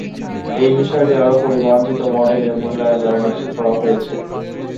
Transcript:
এই বিষয়টি আরও পরিমার্জিত মডেলের মূল্যায়ন দ্বারা নিশ্চিত করা হয়েছে।